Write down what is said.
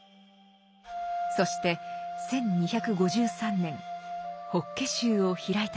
そして１２５３年法華宗を開いたのです。